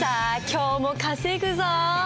今日も稼ぐぞ。